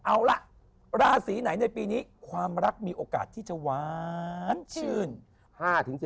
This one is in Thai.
เอาล่ะราศีไหนในปีนี้ความรักมีโอกาสที่จะหวานชื่น